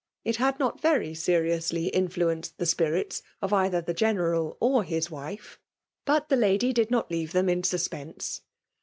it had not vjery oenoady infiaenccd the spiffiit of either the General or his wife; Initlhciady did not le»re them in suspense.)